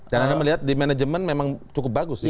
dan anda melihat di manajemen memang cukup bagus